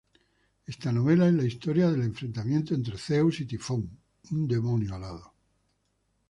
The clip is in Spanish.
Esta novela es la historia del enfrentamiento entre Zeus y Tifón, un demonio alado.